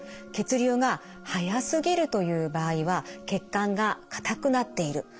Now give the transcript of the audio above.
血流が速すぎるという場合は血管が硬くなっている。